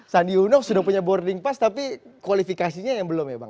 sandi uno sudah punya boarding pass tapi kualifikasinya yang belum ya bang